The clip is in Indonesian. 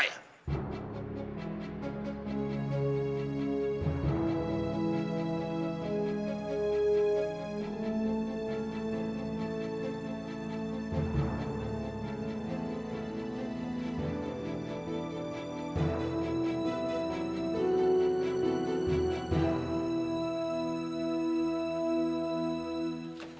gue mau pergi ibu